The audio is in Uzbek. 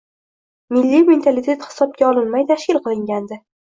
Milliy mentalitet hisobga olinmay tashkil qilingandi